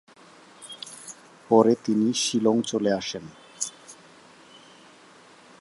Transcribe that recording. পরে তিনি শিলং চলে আসেন।